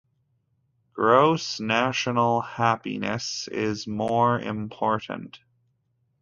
"Gross National Happiness" is more important.